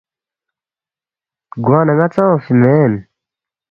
گوانہ ن٘ا ژا اونگفی مین